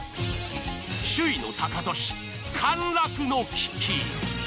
首位のタカトシ陥落の危機。